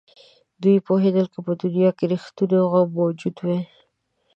دوی پوهېدل که په دنیا کې رښتونی غم موجود وي.